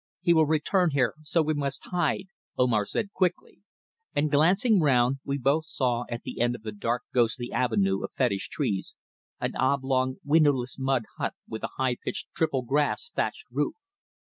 "He will return here, so we must hide," Omar said quickly, and glancing round, we both saw at the end of the dark ghostly avenue of fetish trees an oblong windowless mud building with a high pitched triple grass thatched roof.